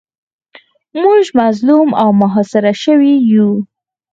موږ مظلوم او محاصره شوي یو.